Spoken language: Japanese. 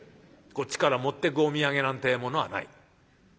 こっちから持ってくお土産なんてものはない」。